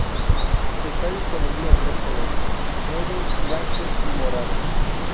Está disponible es tres colores: negro, blanco, y morado.